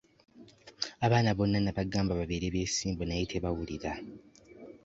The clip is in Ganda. Abaana bonna nnabagamba babeere beesimbu naye tebawulira.